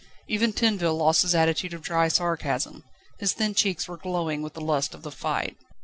Even Tinville lost his attitude of dry sarcasm; his thin cheeks were glowing with the lust of the fight.